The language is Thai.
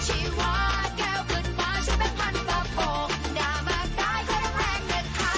หน้ามากได้เค้าต้องแพงเด็กค้าแต่สุดท้ายกลับนัก